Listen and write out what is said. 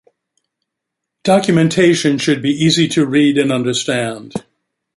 Documentation should be easy to read and understand.